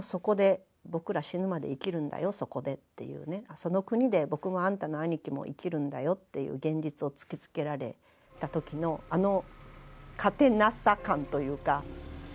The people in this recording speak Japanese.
その国で僕もあんたの兄貴も生きるんだよっていう現実を突きつけられた時のあの勝てなさ感というか。